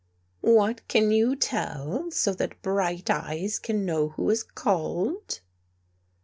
" What can you tell, so that Bright eyes can know who is called?